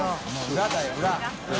裏だよ裏。